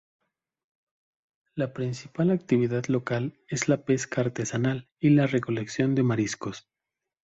La principal actividad local es la pesca artesanal y la recolección de mariscos.